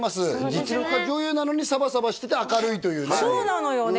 実力派女優なのにサバサバしてて明るいというねそうなのよね